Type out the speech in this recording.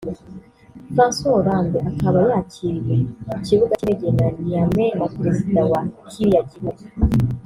Francois Hollande akaba yakiriwe ku kibuga k’indege cya Niamey na Perezida wa kiriya gihugu